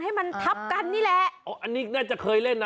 ให้มันทับกันนี่แหละอ๋ออันนี้น่าจะเคยเล่นนะ